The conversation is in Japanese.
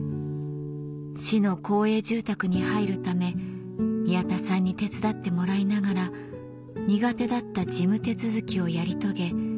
市の公営住宅に入るため宮田さんに手伝ってもらいながら苦手だった事務手続きをやり遂げ